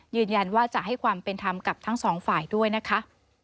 ยืนยันว่าจะให้ความเป็นธรรมกับทั้งสองฝ่ายด้วยนะคะ